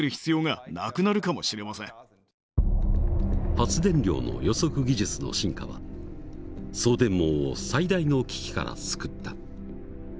発電量の予測技術の進化は送電網を最大の危機から救った。